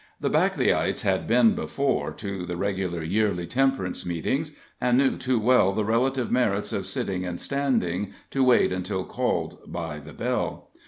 The Backleyites had been before to the regular yearly temperance meetings, and knew too well the relative merits of sitting and standing to wait until called by the bell.